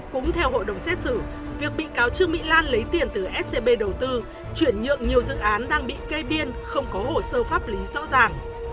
cũng theo hội đồng xét xử việc bị cáo trương mỹ lan lấy tiền từ scb đầu tư chuyển nhượng nhiều dự án đang bị kê biên không có hồ sơ pháp lý rõ ràng